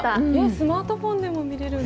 スマートフォンでも見れるんだ。